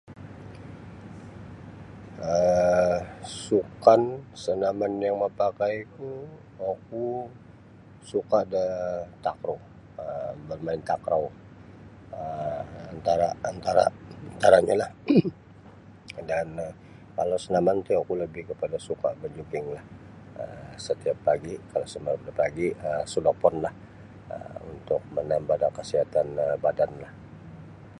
um Sukan sanaman yang mapakai ku oku suka da takraw um bermain takraw um antara-antara-antaranyo lah dan um kalau sanaman ti oku lebih kepada suka bajuging um setiap pagi kalau isa malap da pagi sodopon lah um untuk manambah da kasiatan um badan lah.